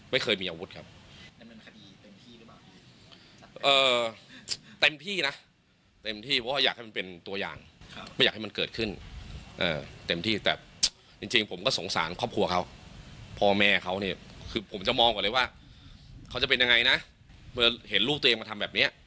มันจะเป็นยังไงนะเมื่อเห็นลูกตัวเองมาทำแบบนี้